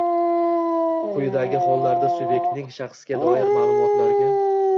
Quyidagi hollarda subyektning shaxsga doir ma’lumotlariga